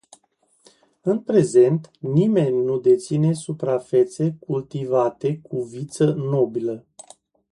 În prezent nimeni nu deține suprafețe cultivate cu viță nobilă.